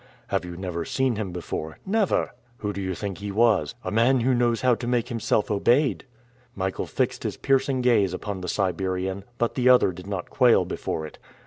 "Had you never seen him before?" "Never." "Who do you think he was?" "A man who knows how to make himself obeyed." Michael fixed his piercing gaze upon the Siberian, but the other did not quail before it.